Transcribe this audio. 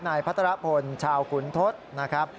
นายพระตระพลชาวขุนทศนะครับ